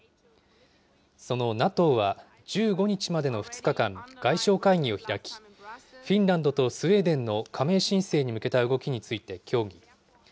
そのＮＡＴＯは、１５日までの２日間、外相会議を開き、フィンランドとスウェーデンの加盟申請に向けた動きについて協議。